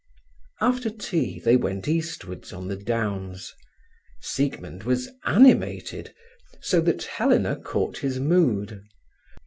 After tea they went eastwards on the downs. Siegmund was animated, so that Helena caught his mood.